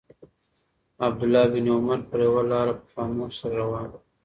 عبدالله بن عمر پر یوه لاره په خاموشۍ سره روان و.